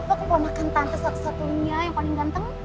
aku mau makan tante satu satunya yang paling ganteng